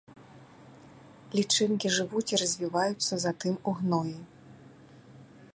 Лічынкі жывуць і развіваюцца затым у гноі.